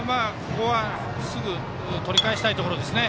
すぐ取り返したいところですね。